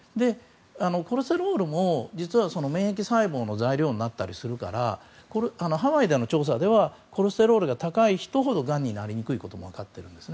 コレステロールも実は免疫細胞の材料になったりするからハワイでの調査ではコレステロールが高い人ほどがんになりにくいことも分かっているんです。